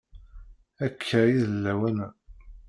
Akka i d lawan-a.